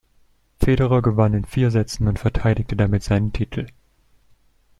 Federer gewann in vier Sätzen und verteidigte damit seinen Titel.